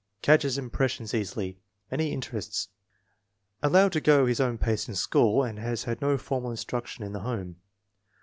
Catches impressions easily. Many interests. Allowed to go his own pace in school, and has had no formal instruction in the home.